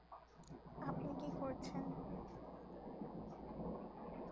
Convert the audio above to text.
আপনি কী করেছেন?